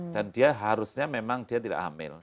dan dia harusnya memang dia tidak hamil